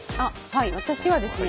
はい私はですね